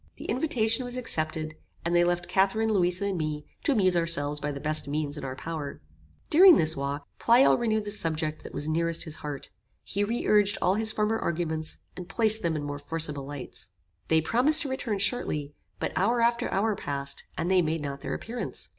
The invitation was accepted, and they left Catharine, Louisa and me, to amuse ourselves by the best means in our power. During this walk, Pleyel renewed the subject that was nearest his heart. He re urged all his former arguments, and placed them in more forcible lights. They promised to return shortly; but hour after hour passed, and they made not their appearance.